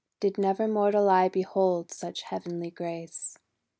Did never mortal eye behold such heavenly grace!